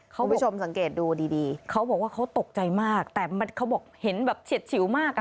คุณผู้ชมสังเกตดูดีดีเขาบอกว่าเขาตกใจมากแต่เขาบอกเห็นแบบเฉียดฉิวมากอ่ะ